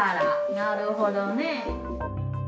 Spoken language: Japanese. なるほどね。